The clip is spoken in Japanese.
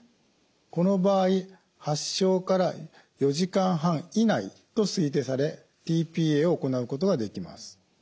この場合発症から４時間半以内と推定されｔ−ＰＡを行うことができます。